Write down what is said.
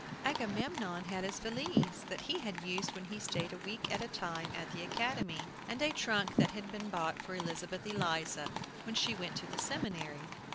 Agamemnon had his valise, that he had used when he stayed a week at a time at the academy; and a trunk had been bought for Elizabeth Eliza when she went to the seminary.